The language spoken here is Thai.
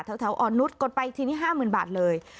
แถวออนุสกดไปทีนี้๕๐๐๐๐บาทเลย